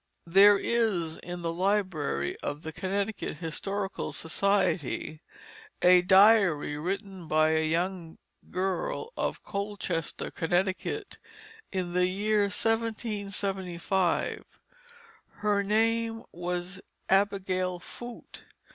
There is, in the library of the Connecticut Historical Society, a diary written by a young girl of Colchester, Connecticut, in the year 1775. Her name was Abigail Foote.